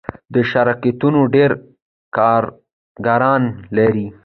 دا شرکتونه ډیر کارګران لري.